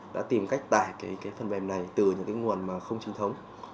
đã tìm cách tải cái phần bềm này từ những cái nguồn mà không trinh thống